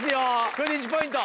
これで１ポイント。